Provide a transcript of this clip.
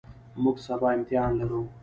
موږ سبا امتحان لرو.